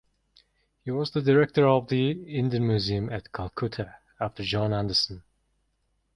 He was the director of the Indian Museum at Calcutta, after John Anderson.